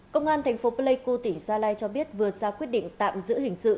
công an thành phố pleiku tỉnh gia lai cho biết vừa ra quyết định tạm giữ hình sự